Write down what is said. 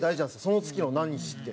その月の何日って。